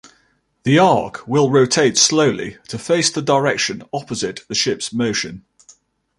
The arc will rotate slowly to face the direction opposite the ship's motion.